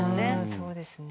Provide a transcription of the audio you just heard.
そうですね。